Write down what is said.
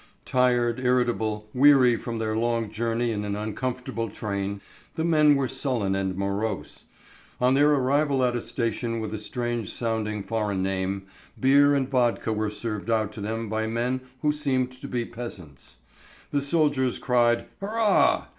Tired, irritable, weary from their long journey in an uncomfortable train, the men were sullen and morose. On their arrival at a station with a strange sounding foreign name, beer and vodka were served out to them by men who seemed to be peasants. The soldiers cried "Hurrah!"